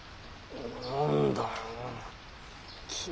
何だよ？